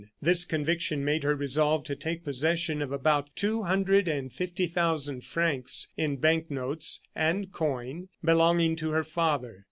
This conviction made her resolve to take possession of about two hundred and fifty thousand francs, in bank notes and coin, belonging to her father.